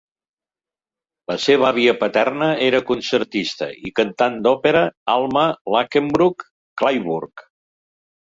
La seva àvia paterna era concertista i cantant d'òpera Alma Lachenbruch Clayburgh.